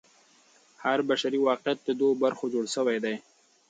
هر بشري واقعیت له دوو برخو جوړ سوی دی.